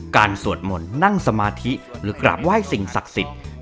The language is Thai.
สวดมนต์นั่งสมาธิหรือกราบไหว้สิ่งศักดิ์สิทธิ์